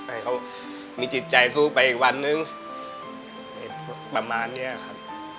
ให้เขามีจิตใจสู้ไปอีกวันนึงประมาณเนี้ยครับ